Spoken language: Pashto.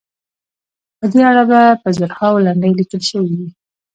په دې اړه به زرهاوو لنډۍ لیکل شوې وي.